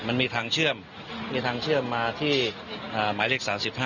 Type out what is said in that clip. มันมีทางเชื่อมมีทางเชื่อมมาที่หมายเลข๓๕